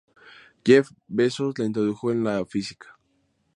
Jeff Bezos la introdujo en la física.